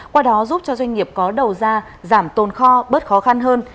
qua đó giúp cho doanh nghiệp có đầu ra giảm tồn kho bớt khó khăn hơn